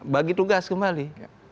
bagi tugas kembali